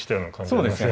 そうですよね